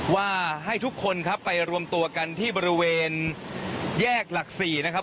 ว่าให้ทุกคนครับไปรวมตัวกันที่บริเวณแยกหลัก๔นะครับ